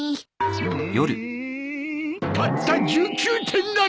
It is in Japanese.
たった１９点だと！？